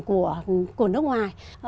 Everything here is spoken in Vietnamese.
của nước ngoài